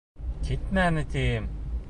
Китмәне, тием.